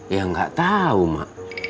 ya enggak tahu mak